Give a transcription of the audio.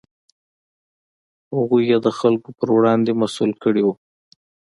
هغوی یې د خلکو په وړاندې مسوول کړي وو.